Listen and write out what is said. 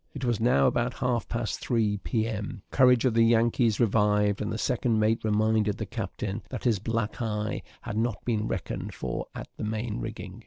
It was now about half past three P.M.; the courage of the Yankees revived; and the second mate reminded the captain that his black eye had not been reckoned for at the main rigging.